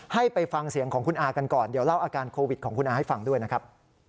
ให้ไปฟังเสียงของคุณอากันก่อนเดี๋ยวเล่าอาการโควิดของคุณอาให้ฟังด้วยนะครับ